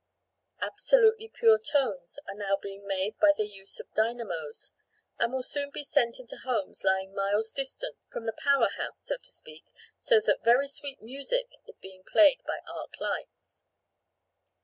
Absolutely pure tones are now being made by the use of dynamos and will soon be sent into homes lying miles distant from the power house, so to speak, so that very sweet music is being played by arc lights.